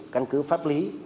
căn cứ pháp lý